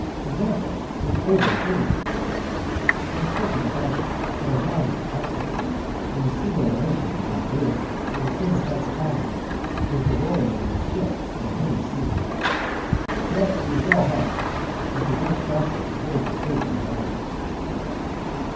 Example, an oval diligence: I respected the fashion, but I found it detestable, and the singular motion of that vehicle had the same effect upon me as the rolling of a ship in a heavy sea. Yet it was well hung, but the worst jolting would have disturbed me less.